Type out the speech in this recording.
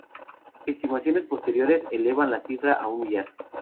Estimaciones posteriores elevan la cifra a un millar.